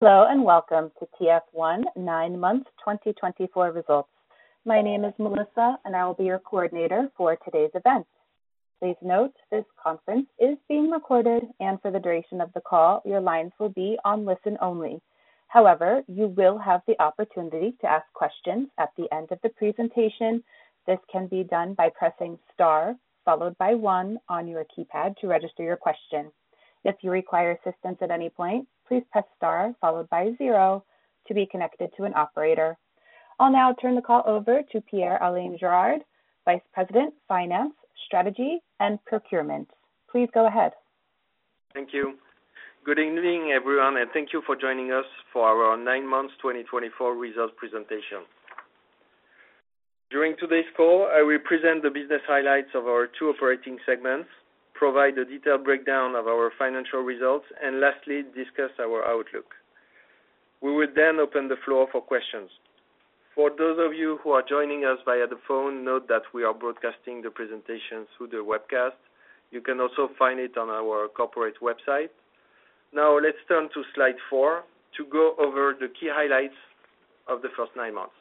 Hello, and welcome to TF1 nine-month 2024 results. My name is Melissa, and I will be your coordinator for today's event. Please note this conference is being recorded, and for the duration of the call, your lines will be on listen only. However, you will have the opportunity to ask questions at the end of the presentation. Thank you. Good evening, everyone, and thank you for joining us for our nine-month 2024 results presentation. During today's call, I will present the business highlights of our two operating segments, provide a detailed breakdown of our financial results, and lastly, discuss our outlook. We will then open the floor for questions. For those of you who are joining us via the phone, note that we are broadcasting the presentation through the webcast. You can also find it on our corporate website. Now, let's turn to slide four to go over the key highlights of the first nine months.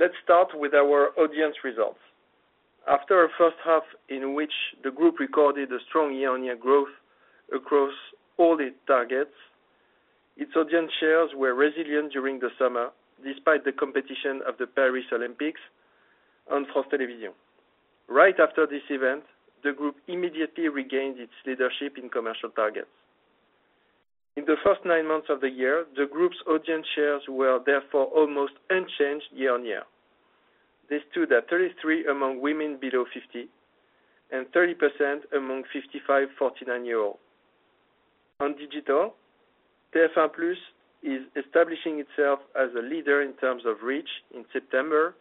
Let's start with our audience results. After a first half in which the group recorded a strong year-over-year growth across all its targets, its audience shares were resilient during the summer despite the competition of the Paris Olympics on France Télévisions. Right after this event, the group immediately regained its leadership in commercial targets. In the first nine months of the year, the group's audience shares were therefore almost unchanged year-on-year. They stood at 33% among women below 50 and 30% among 25-49-year-olds. On digital, TF1 Plus is establishing itself as a leader in terms of reach in September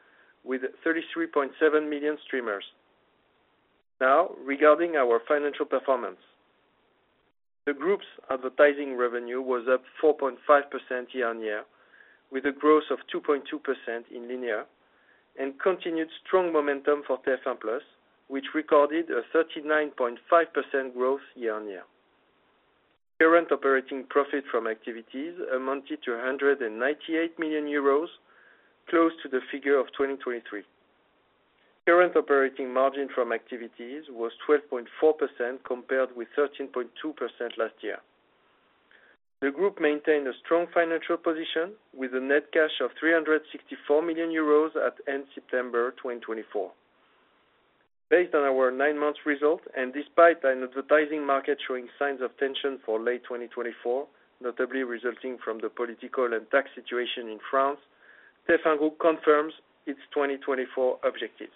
with 33.7 million streamers. Now, regarding our financial performance, the group's advertising revenue was up 4.5% year-on-year, with a growth of 2.2% in linear, and continued strong momentum for TF1 Plus, which recorded a 39.5% growth year-on-year. Current operating profit from activities amounted to 198 million euros, close to the figure of 2023. Current operating margin from activities was 12.4% compared with 13.2% last year. The group maintained a strong financial position with a net cash of 364 million euros at end September 2024. Based on our nine-month result, and despite an advertising market showing signs of tension for late 2024, notably resulting from the political and tax situation in France, TF1 Group confirms its 2024 objectives.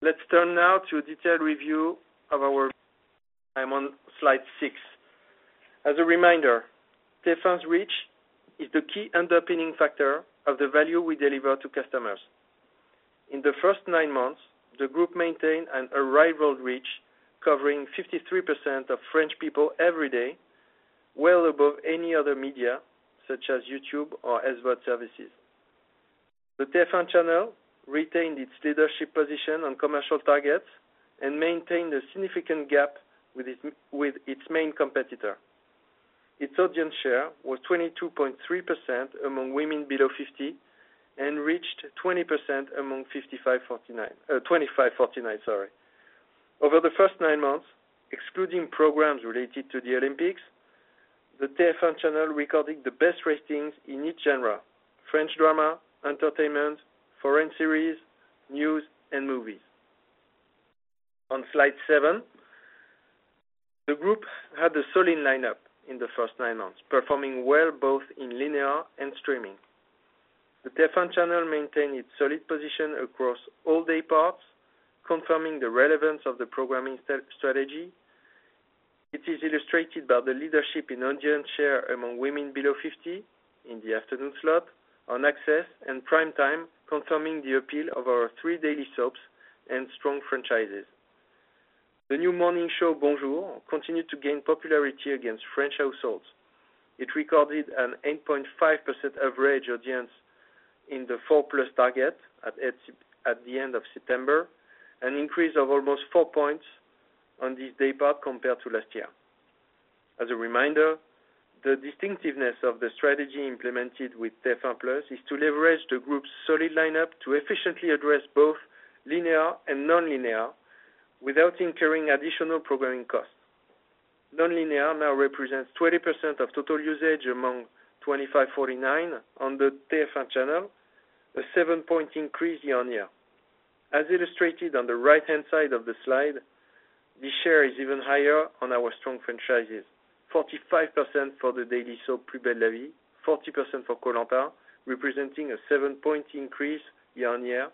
Let's turn now to a detailed review of our results on slide six. As a reminder, TF1's reach is the key underpinning factor of the value we deliver to customers. In the first nine months, the group maintained an overall reach covering 53% of French people every day, well above any other media such as YouTube or SVOD services. The TF1 channel retained its leadership position on commercial targets and maintained a significant gap with its main competitor. Its audience share was 22.3% among women below 50 and reached 20% among 15-49. Over the first nine months, excluding programs related to the Olympics, the TF1 channel recorded the best ratings in each genre: French drama, entertainment, foreign series, news, and movies. On slide seven, the group had a solid lineup in the first nine months, performing well both in linear and streaming. The TF1 channel maintained its solid position across all day parts, confirming the relevance of the programming strategy. It is illustrated by the leadership in audience share among women below 50 in the afternoon slot on Access and Prime Time, confirming the appeal of our three daily soaps and strong franchises. The new morning show, Bonjour, continued to gain popularity against French households. It recorded an 8.5% average audience in the four-plus target at the end of September, an increase of almost four points on this day part compared to last year. As a reminder, the distinctiveness of the strategy implemented with TF1 Plus is to leverage the group's solid lineup to efficiently address both linear and non-linear without incurring additional programming costs. Non-linear now represents 20% of total usage among 25-49 on the TF1 channel, a seven-point increase year-on-year. As illustrated on the right-hand side of the slide, the share is even higher on our strong franchises: 45% for the daily soap Plus belle la vie, 40% for Koh-Lanta, representing a seven-point increase year-on-year,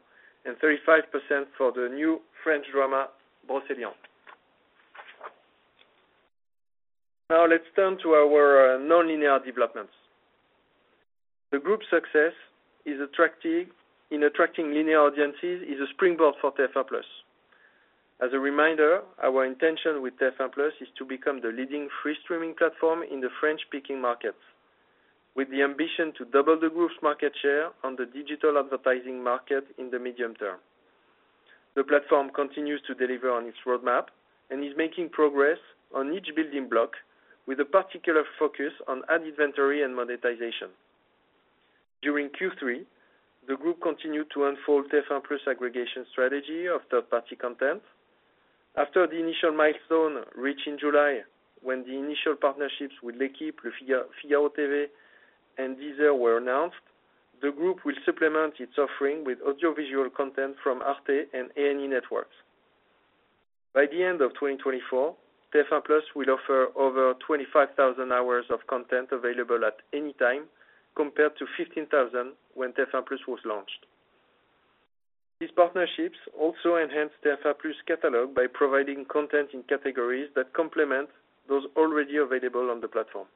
and 35% for the new French drama Brocéliande. Now, let's turn to our non-linear developments. The group's success in attracting linear audiences is a springboard for TF1 Plus. As a reminder, our intention with TF1 Plus is to become the leading free-streaming platform in the French-speaking markets, with the ambition to double the group's market share on the digital advertising market in the medium term. The platform continues to deliver on its roadmap and is making progress on each building block, with a particular focus on ad inventory and monetization. During Q3, the group continued to unfold TF1 Plus' aggregation strategy of third-party content. After the initial milestone reached in July, when the initial partnerships with L'Équipe, Le Figaro TV, and Deezer were announced, the group will supplement its offering with audiovisual content from Arte and A&E Networks. By the end of 2024, TF1 Plus will offer over 25,000 hours of content available at any time, compared to 15,000 when TF1 Plus was launched. These partnerships also enhance TF1 Plus' catalog by providing content in categories that complement those already available on the platform.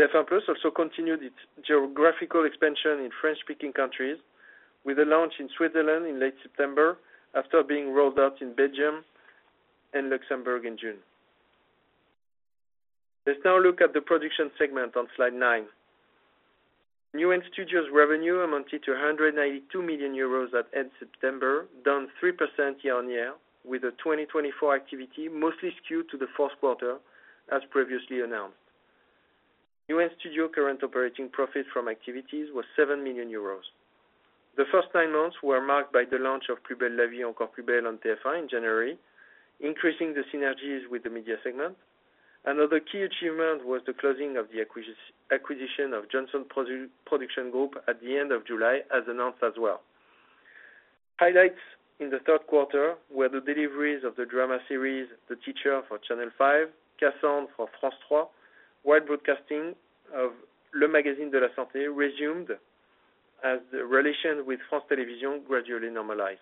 TF1 Plus also continued its geographical expansion in French-speaking countries, with a launch in Switzerland in late September after being rolled out in Belgium and Luxembourg in June. Let's now look at the production segment on slide nine. Newen Studios's revenue amounted to 192 million euros at end September, down 3% year-on-year, with the 2024 activity mostly skewed to the fourth quarter, as previously announced. Newen Studios's current operating profit from activities was 7 million euros. The first nine months were marked by the launch of Plus belle la vie, encore plus belle on TF1 in January, increasing the synergies with the media segment. Another key achievement was the closing of the acquisition of Johnson Production Group at the end of July, as announced as well. Highlights in the third quarter were the deliveries of the drama series The Teacher for Channel 5, Cassandre for France 3, wide broadcasting of Le Magazine de la Santé resumed as the relation with France Télévisions gradually normalized.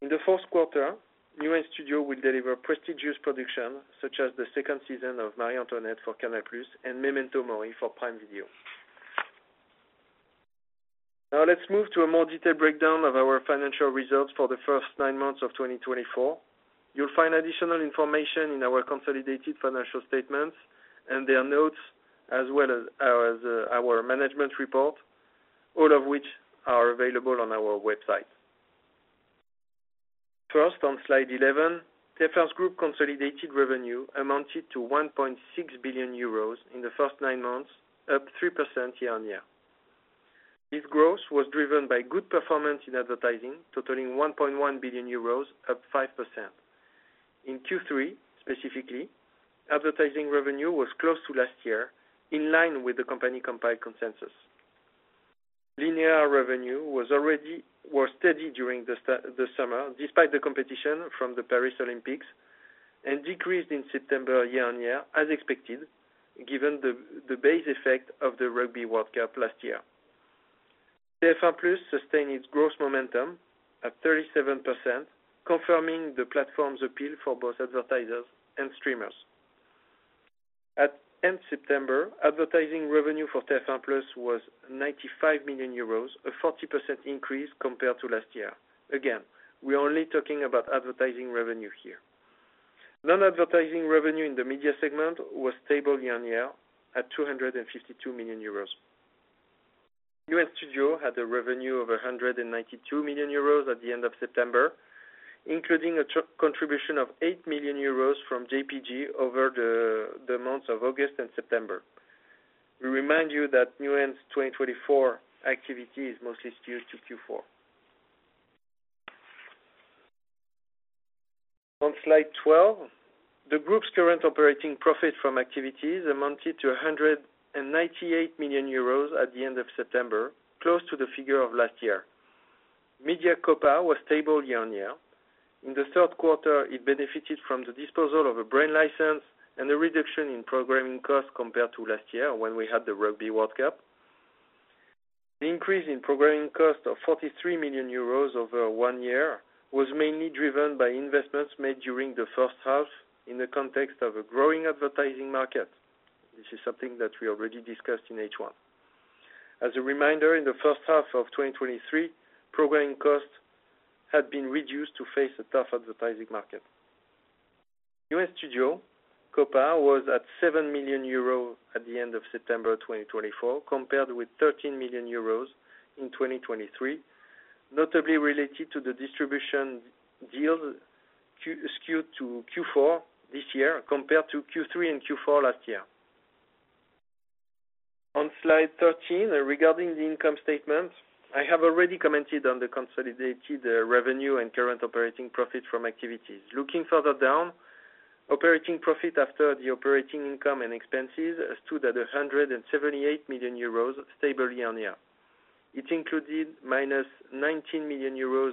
In the fourth quarter, Newen Studios will deliver prestigious productions such as the second season of Marie-Antoinette for Canal+ and Memento Mori for Prime Video. Now, let's move to a more detailed breakdown of our financial results for the first nine months of 2024. You'll find additional information in our consolidated financial statements and their notes, as well as our management report, all of which are available on our website. First, on slide 11, TF1 Group's consolidated revenue amounted to 1.6 billion euros in the first nine months, up 3% year-on-year. This growth was driven by good performance in advertising, totaling 1.1 billion euros, up 5%. In Q3, specifically, advertising revenue was close to last year, in line with the company-compiled consensus. Linear revenue was steady during the summer, despite the competition from the Paris Olympics, and decreased in September year-on-year, as expected, given the base effect of the Rugby World Cup last year. TF1 Plus sustained its gross momentum at 37%, confirming the platform's appeal for both advertisers and streamers. At end September, advertising revenue for TF1 Plus was 95 million euros, a 40% increase compared to last year. Again, we're only talking about advertising revenue here. Non-advertising revenue in the media segment was stable year-on-year at 252 million euros. Newen Studios had a revenue of 192 million euros at the end of September, including a contribution of 8 million euros from JPG over the months of August and September. We remind you that Newen 2024 activity is mostly skewed to Q4. On slide 12, the group's current operating profit from activities amounted to 198 million euros at the end of September, close to the figure of last year. Media COPA was stable year-on-year. In the third quarter, it benefited from the disposal of a brand license and a reduction in programming costs compared to last year when we had the Rugby World Cup. The increase in programming costs of 43 million euros over one year was mainly driven by investments made during the first half in the context of a growing advertising market. This is something that we already discussed in H1. As a reminder, in the first half of 2023, programming costs had been reduced to face a tough advertising market. Newen Studios COPA was at seven million EUR at the end of September 2024, compared with 13 million euros in 2023, notably related to the distribution deals skewed to Q4 this year compared to Q3 and Q4 last year. On slide 13, regarding the income statement, I have already commented on the consolidated revenue and current operating profit from activities. Looking further down, operating profit after the operating income and expenses stood at 178 million euros, stable year-on-year. It included minus 19 million euros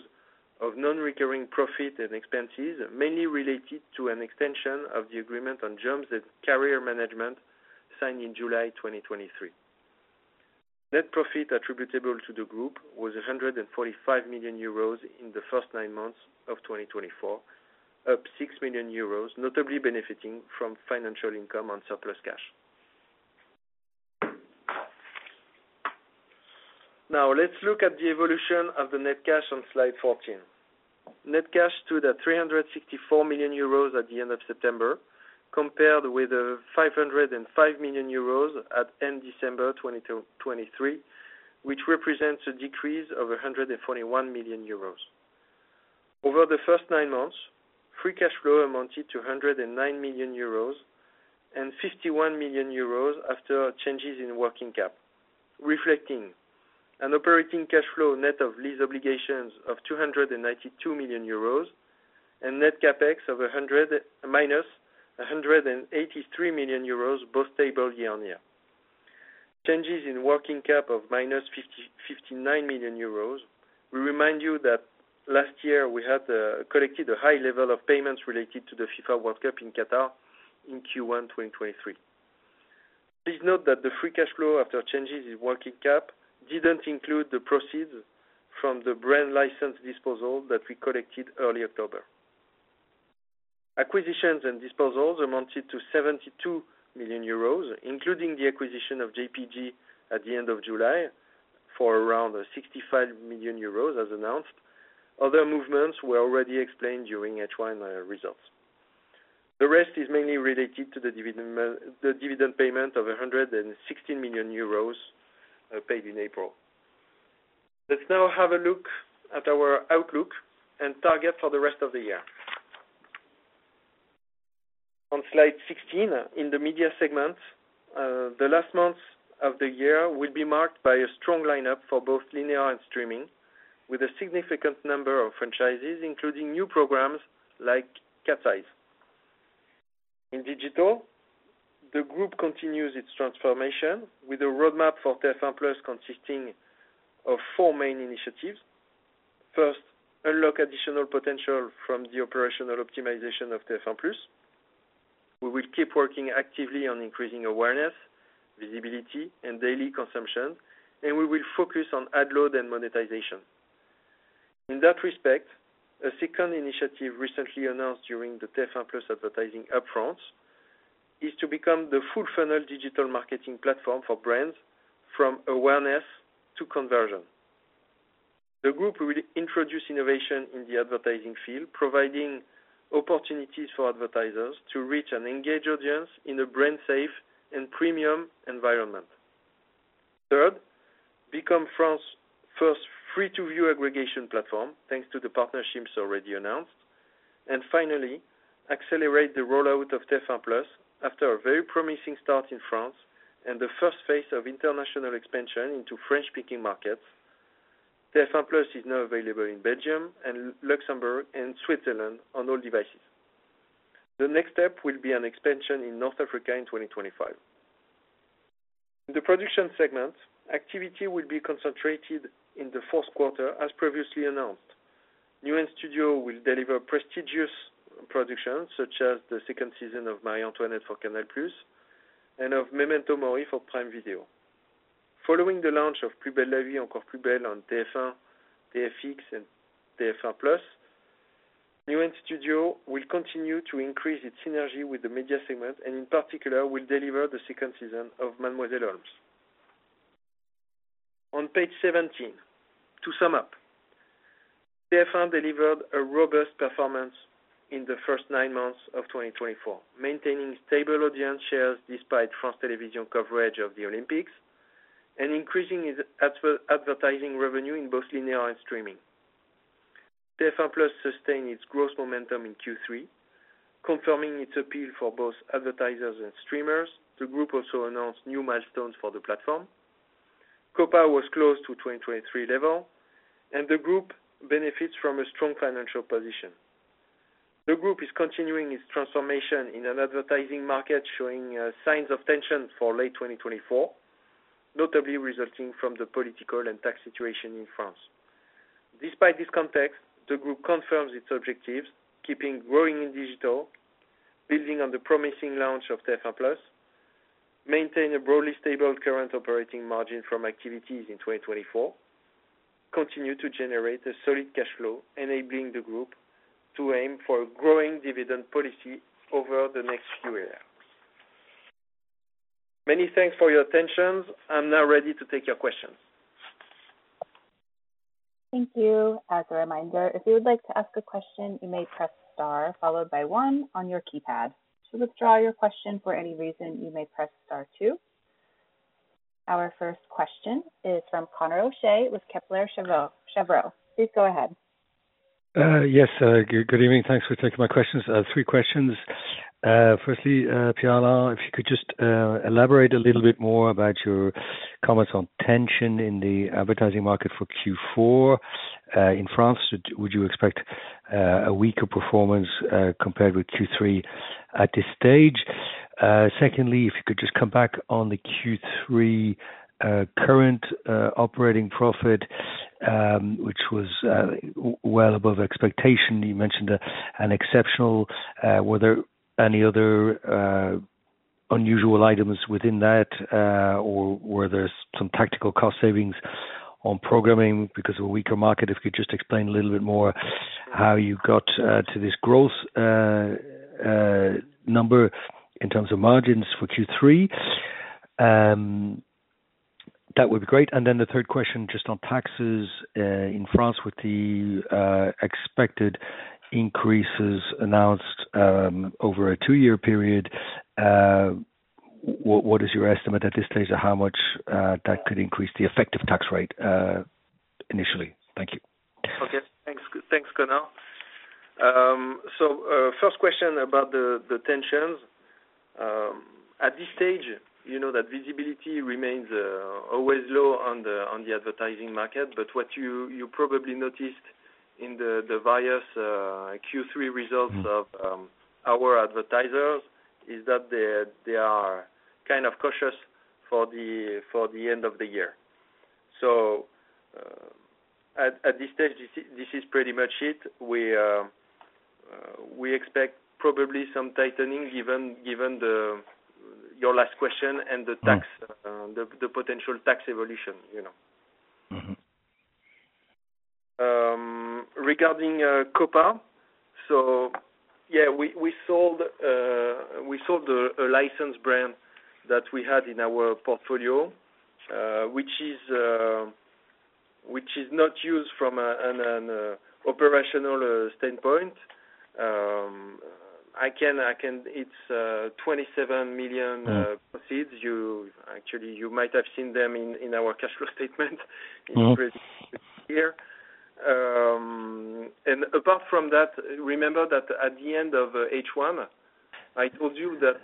of non-recurring profit and expenses, mainly related to an extension of the agreement on jobs that Career Management signed in July 2023. Net profit attributable to the group was 145 million euros in the first nine months of 2024, up six million EUR, notably benefiting from financial income on surplus cash. Now, let's look at the evolution of the net cash on slide 14. Net cash stood at 364 million euros at the end of September, compared with 505 million euros at end December 2023, which represents a decrease of 141 million euros. Over the first nine months, free cash flow amounted to 109 million euros and 51 million euros after changes in working cap, reflecting an operating cash flow net of lease obligations of 292 million euros and net capex of minus 183 million euros, both stable year-on-year. Changes in working cap of minus 59 million euros. We remind you that last year we had collected a high level of payments related to the FIFA World Cup in Qatar in Q1 2023. Please note that the free cash flow after changes in working cap didn't include the proceeds from the brand license disposal that we collected early October. Acquisitions and disposals amounted to 72 million euros, including the acquisition of JPG at the end of July for around 65 million euros, as announced. Other movements were already explained during H1 results. The rest is mainly related to the dividend payment of 116 million euros paid in April. Let's now have a look at our outlook and target for the rest of the year. On slide 16, in the media segment, the last months of the year will be marked by a strong lineup for both linear and streaming, with a significant number of franchises, including new programs like Cat's Eyes. In digital, the group continues its transformation with a roadmap for TF1 Plus consisting of four main initiatives. First, unlock additional potential from the operational optimization of TF1 Plus. We will keep working actively on increasing awareness, visibility, and daily consumption, and we will focus on ad load and monetization. In that respect, a second initiative recently announced during the TF1 Plus advertising upfront is to become the full-funnel digital marketing platform for brands from awareness to conversion. The group will introduce innovation in the advertising field, providing opportunities for advertisers to reach and engage audiences in a brand-safe and premium environment. Third, become France's first free-to-view aggregation platform, thanks to the partnerships already announced. And finally, accelerate the rollout of TF1 Plus after a very promising start in France and the first phase of international expansion into French-speaking markets. TF1 Plus is now available in Belgium, Luxembourg, and Switzerland on all devices. The next step will be an expansion in North Africa in 2025. In the production segment, activity will be concentrated in the fourth quarter, as previously announced. Newen Studios will deliver prestigious productions such as the second season of Marie-Antoinette for Canal+ and of Memento Mori for Prime Video. Following the launch of Plus belle la vie, encore plus belle on TF1, TFX, and TF1 Plus, Newen Studios will continue to increase its synergy with the media segment and, in particular, will deliver the second season of Mademoiselle Holmes. On page 17, to sum up, TF1 delivered a robust performance in the first nine months of 2024, maintaining stable audience shares despite France Télévisions' coverage of the Olympics and increasing its advertising revenue in both linear and streaming. TF1 Plus sustained its gross momentum in Q3, confirming its appeal for both advertisers and streamers. The group also announced new milestones for the platform. COPA was close to 2023 level, and the group benefits from a strong financial position. The group is continuing its transformation in an advertising market, showing signs of tension for late 2024, notably resulting from the political and tax situation in France. Despite this context, the group confirms its objectives, keeping growing in digital, building on the promising launch of TF1 Plus, maintaining a broadly stable current operating margin from activities in 2024, and continuing to generate a solid cash flow, enabling the group to aim for a growing dividend policy over the next few years. Many thanks for your attention. I'm now ready to take your questions. Thank you. As a reminder, if you would like to ask a question, you may press Star followed by 1 on your keypad. To withdraw your question for any reason, you may press Star 2.Our first question is from Conor O'Shea with Kepler Chevreux. Please go ahead. Yes. Good evening. Thanks for taking my questions. Three questions. Firstly, Pierre-Alain, if you could just elaborate a little bit more about your comments on tension in the advertising market for Q4 in France. Would you expect a weaker performance compared with Q3 at this stage? Secondly, if you could just come back on the Q3 current operating profit, which was well above expectation. You mentioned an exceptional. Were there any other unusual items within that, or were there some tactical cost savings on programming because of a weaker market? If you could just explain a little bit more how you got to this gross number in terms of margins for Q3, that would be great. And then the third question, just on taxes in France with the expected increases announced over a two-year period, what is your estimate at this stage of how much that could increase the effective tax rate initially? Thank you. Okay. Thanks, Conor. So first question about the tensions. At this stage, you know that visibility remains always low on the advertising market, but what you probably noticed in the various Q3 results of our advertisers is that they are kind of cautious for the end of the year. So at this stage, this is pretty much it. We expect probably some tightening, given your last question and the potential tax evolution. Regarding COPA, so yeah, we sold a licensed brand that we had in our portfolio, which is not used from an operational standpoint. It's 27 million proceeds. Actually, you might have seen them in our cash flow statement in previous year, and apart from that, remember that at the end of H1, I told you that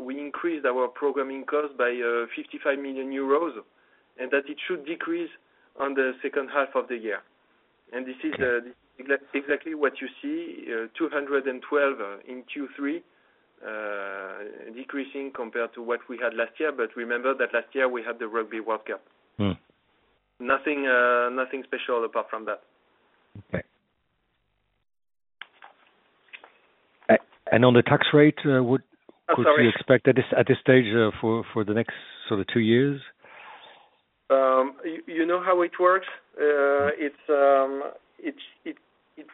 we increased our programming cost by 55 million euros and that it should decrease on the second half of the year. And this is exactly what you see, 212 in Q3, decreasing compared to what we had last year, but remember that last year we had the Rugby World Cup. Nothing special apart from that. Okay. And on the tax rate, what do you expect at this stage for the next sort of two years? You know how it works. It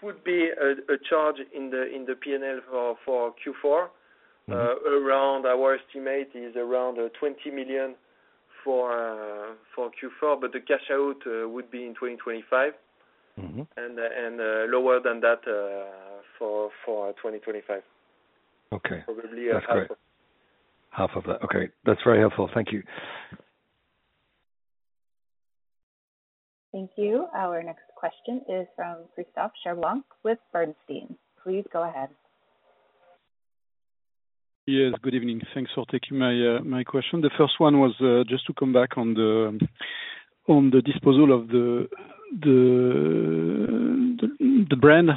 would be a charge in the P&L for Q4. Around our estimate is around 20 million for Q4, but the cash out would be in 2025 and lower than that for 2025. Probably half of that. Okay. Half of that. Okay. That's very helpful. Thank you. Thank you. Our next question is from Christophe Cherblanc with Bernstein. Please go ahead. Yes. Good evening. Thanks for taking my question. The first one was just to come back on the disposal of the brand.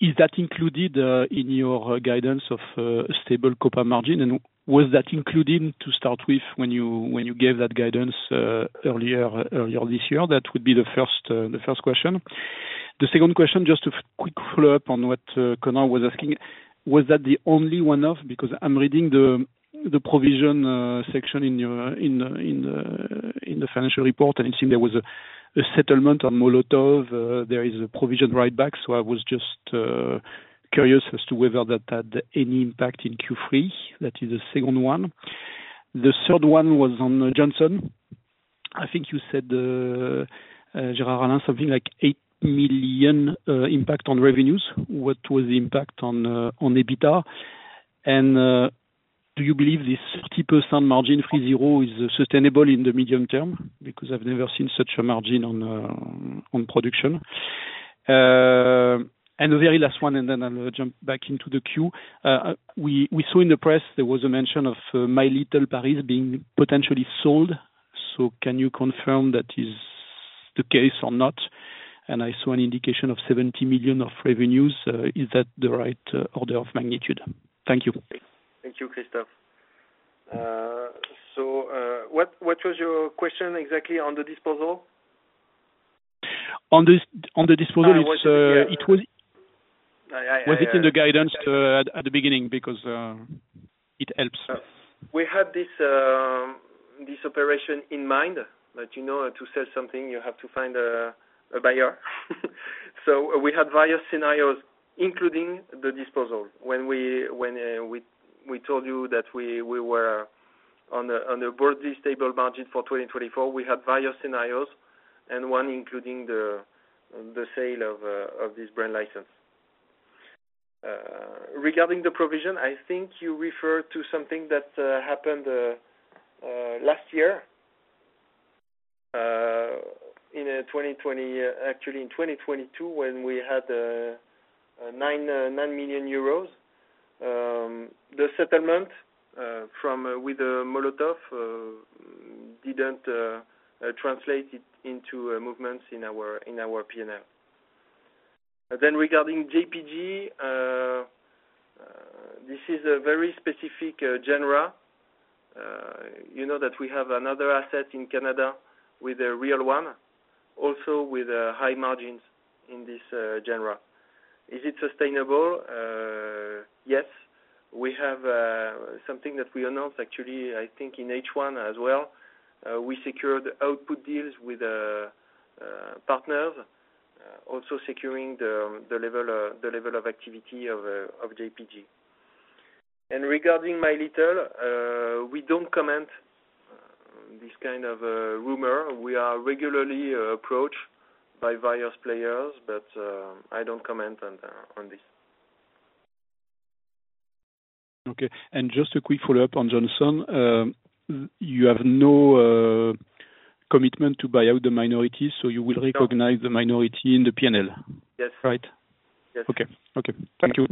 Is that included in your guidance of stable COPA margin? And was that included to start with when you gave that guidance earlier this year? That would be the first question. The second question, just a quick follow-up on what Conor was asking. Was that the only one-off? Because I'm reading the provision section in the financial report, and it seemed there was a settlement on Molotov. There is a provision right back. So I was just curious as to whether that had any impact in Q3. That is the second one. The third one was on Johnson. I think you said, Pierre-Alain Gérard, something like eight million impact on revenues. What was the impact on EBITDA? And do you believe this 30% EBITDA margin is sustainable in the medium term? Because I've never seen such a margin on production. And the very last one, and then I'll jump back into the queue. We saw in the press there was a mention of My Little Paris being potentially sold. So can you confirm that is the case or not? And I saw an indication of 70 million of revenues. Is that the right order of magnitude? Thank you. Thank you, Christophe. So what was your question exactly on the disposal? On the disposal, it was. Yeah. Yeah. Was it in the guidance at the beginning? Because it helps. We had this operation in mind that to sell something, you have to find a buyer. So we had various scenarios, including the disposal. When we told you that we were on a broadly stable margin for 2024, we had various scenarios, and one including the sale of this brand license. Regarding the provision, I think you referred to something that happened last year in 2020, actually in 2022, when we had €9 million. The settlement with Molotov didn't translate into movements in our P&L. Then regarding JPG, this is a very specific genre that we have another asset in Canada with Reel One, also with high margins in this genre. Is it sustainable? Yes. We have something that we announced, actually, I think in H1 as well. We secured output deals with partners, also securing the level of activity of JPG. And regarding My Little, we don't comment on this kind of rumor. We are regularly approached by various players, but I don't comment on this. Okay. And just a quick follow-up on Johnson. You have no commitment to buy out the minorities, so you will recognize the minority in the P&L, right? Yes. Yes. Okay. Okay. Thank you.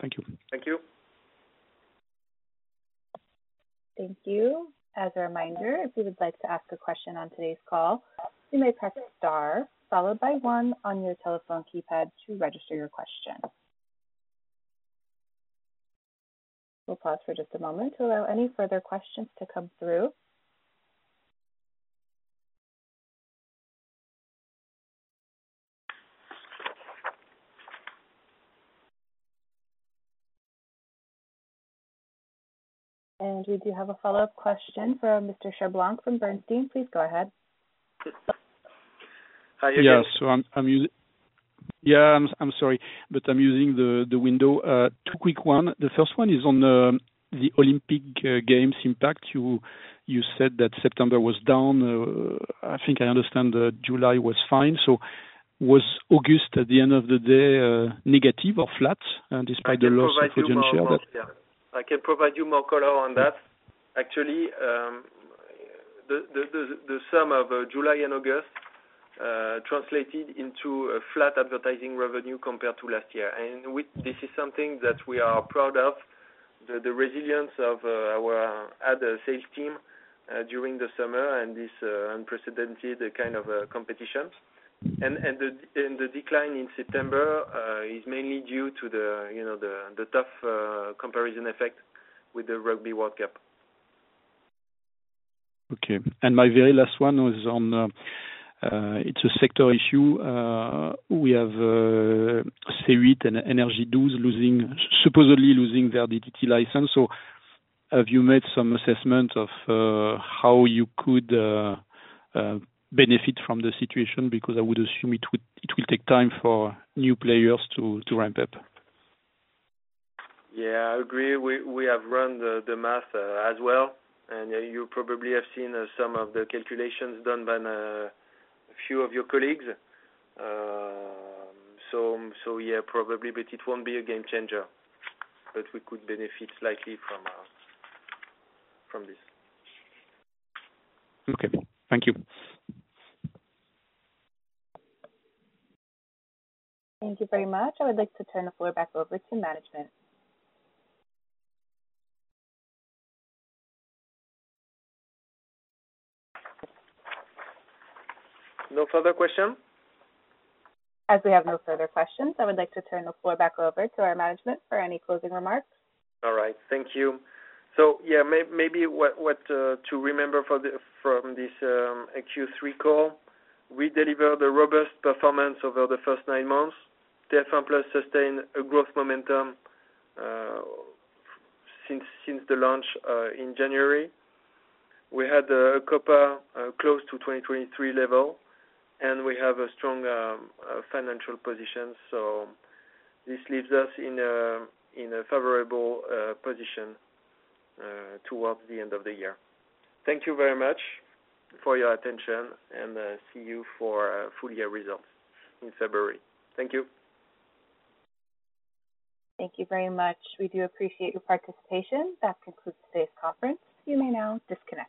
Thank you. Thank you. Thank you. As a reminder, if you would like to ask a question on today's call, you may press Star followed by 1 on your telephone keypad to register your question. We'll pause for just a moment to allow any further questions to come through. And we do have a follow-up question from Mr. Cherblanc from Bernstein. Please go ahead. Hi. Yes. Yeah. I'm sorry, but I'm using the window. Two quick ones. The first one is on the Olympic Games impact. You said that September was down. I think I understand July was fine. So was August, at the end of the day, negative or flat despite the loss of provision share? I can provide you more color on that. Actually, the sum of July and August translated into a flat advertising revenue compared to last year. And this is something that we are proud of, the resilience of our ad sales team during the summer and this unprecedented kind of competition. And the decline in September is mainly due to the tough comparison effect with the Rugby World Cup. Okay. And my very last one is on. It's a sector issue. We have C8 and NRJ 12 supposedly losing their DTT license. So have you made some assessment of how you could benefit from the situation? Because I would assume it will take time for new players to ramp up. Yeah. I agree. We have run the math as well. You probably have seen some of the calculations done by a few of your colleagues. So yeah, probably, but it won't be a game changer. But we could benefit slightly from this. Okay. Thank you. Thank you very much. I would like to turn the floor back over to management. No further question? As we have no further questions, I would like to turn the floor back over to our management for any closing remarks. All right. Thank you. So yeah, maybe what to remember from this Q3 call, we delivered a robust performance over the first nine months. TF1 Plus sustained a growth momentum since the launch in January. We had a COPA close to 2023 level, and we have a strong financial position. So this leaves us in a favorable position towards the end of the year. Thank you very much for your attention, and see you for full year results in February. Thank you. Thank you very much. We do appreciate your participation. That concludes today's conference. You may now disconnect.